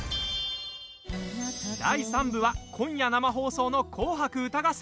第３部は今夜生放送の「紅白歌合戦」。